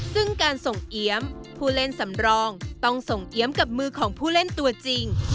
ซึ่งการส่งเอี๊ยมผู้เล่นสำรองต้องส่งเอี๊ยมกับมือของผู้เล่นตัวจริง